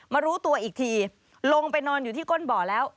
รู้ตัวอีกทีลงไปนอนอยู่ที่ก้นบ่อแล้ว